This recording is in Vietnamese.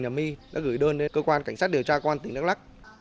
nhà my đã gửi đơn đến cơ quan cảnh sát điều tra công an tỉnh đắk lắc